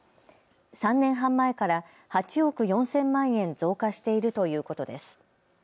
３年半前から８億４０００万円増加しているということです。